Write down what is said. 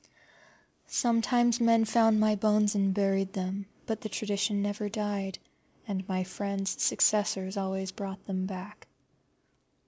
Sometimes men found my bones and buried them, but the tradition never died, and my friends' successors always brought them back.